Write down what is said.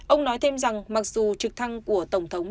ông nói thêm rằng mặc dù trực thăng của tổng thống